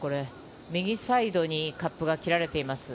右サイドにカップが切られています。